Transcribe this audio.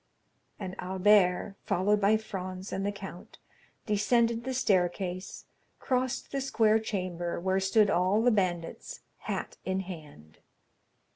And Albert, followed by Franz and the count, descended the staircase, crossed the square chamber, where stood all the bandits, hat in hand.